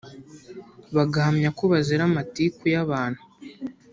bagahamya ko bazira amatiku y'abantu